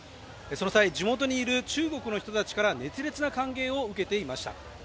その際、地元にいる中国の人たちから熱烈な歓迎を受けていました。